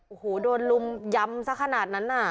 โอ้โหโดนลุมยำซะขนาดนั้นน่ะ